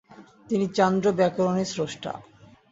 তিনি চান্দ্র-ব্যাকরণের স্রষ্টা।